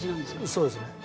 そうですね。